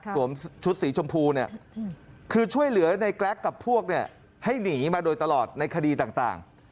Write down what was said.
ชุดสีชมพูเนี่ยคือช่วยเหลือในแกรกกับพวกเนี่ยให้หนีมาโดยตลอดในคดีต่าง